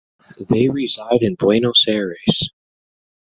They reside in Buenos Aires.